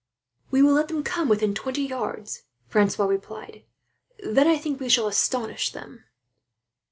"We will let them come within twenty yards," Francois replied, "then I think we shall astonish them."